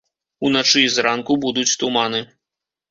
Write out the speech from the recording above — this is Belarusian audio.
Уначы і зранку будуць туманы.